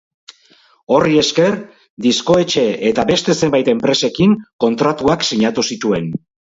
Horri esker, disko-etxe eta beste zenbait enpresekin kontratuak sinatu zituen.